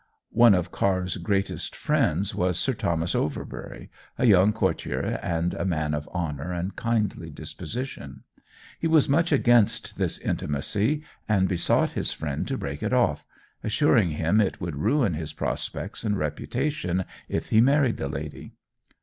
One of Carr's greatest friends was Sir Thomas Overbury, a young courtier and a man of honour and kindly disposition. He was much against this intimacy, and besought his friend to break it off, assuring him it would ruin his prospects and reputation if he married the lady.